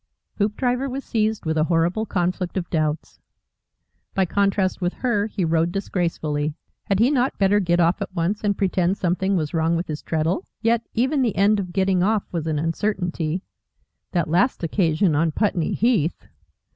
Hoopdriver was seized with a horrible conflict of doubts. By contrast with her he rode disgracefully. Had he not better get off at once and pretend something was wrong with his treadle? Yet even the end of getting off was an uncertainty. That last occasion on Putney Heath!